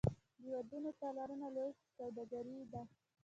د ودونو تالارونه لویه سوداګري ده